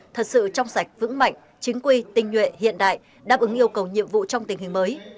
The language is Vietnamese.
thật sự trong sạch vững mạnh chính quy tinh nhuệ hiện đại đáp ứng yêu cầu nhiệm vụ trong tình hình mới